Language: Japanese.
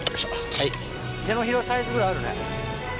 はい手のひらサイズぐらいあるね。